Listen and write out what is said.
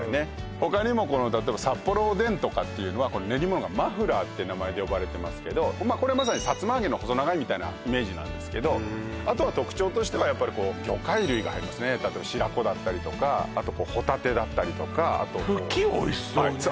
他にも例えば札幌おでんは練り物がマフラーって名前で呼ばれてますけどこれはまさにさつま揚げの細長いみたいなイメージなんですけどあとは特徴としてはやっぱり魚介類が入りますね例えば白子だったりとかあとホタテだったりとかふきおいしそうね